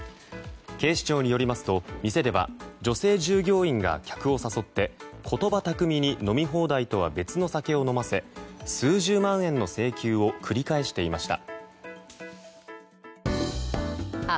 警視庁によりますと店では女性従業員が客を誘って言葉巧みに飲み放題とは別の酒を飲ませ数十万円の請求を繰り返していました。